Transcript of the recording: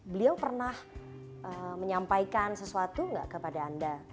beliau pernah menyampaikan sesuatu nggak kepada anda